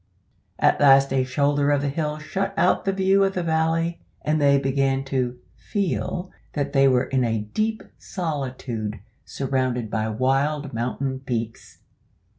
At last a shoulder of the hill shut out the view of the valley, and they began to feel that they were in a deep solitude, surrounded by wild mountain peaks.